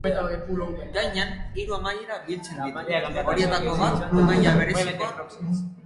Gainan hiru amaiera biltzen ditu, horietatik bat maila berezikoa.